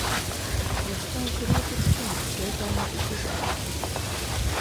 ウェストンクリーク地区の西端に位置しています。